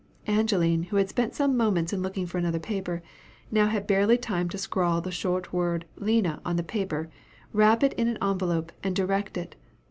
Angeline, who had spent some moments in looking for another paper, now had barely time to scrawl the short word "Lina" on the paper, wrap it in an envelop, and direct it.